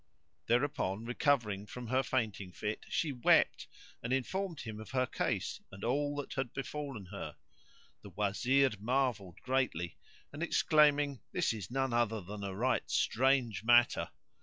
Thereupon recovering from her fainting fit she wept and informed him of her case and all that had befallen her. The Wazir marvelled greatly and exclaiming, "This is none other than a right strange matter!"